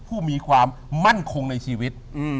ผู้มีความมั่นคงในชีวิต